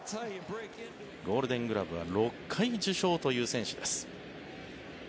ゴールデングラブは６回受賞という選手です。